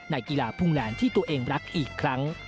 ในกีฬาพุ่งแหลนที่ตัวเองรักอีกครั้ง